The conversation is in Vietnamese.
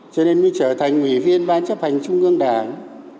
cho nên mới trở thành ủy viên ban chấp hành trung ương đảng